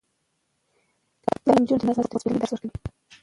تعلیم نجونو ته د نظم او دسپلین درس ورکوي.